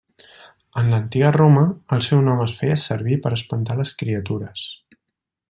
En l'Antiga Roma, el seu nom es feia servir per espantar les criatures.